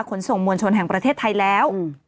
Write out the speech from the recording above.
ขนส่งมวลชนแห่งประเทศไทยแล้ว